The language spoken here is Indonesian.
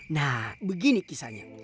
nah begini kisahnya